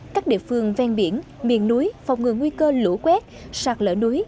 các địa phương ven biển miền núi phòng ngừa nguy cơ lũ quét sạt lở núi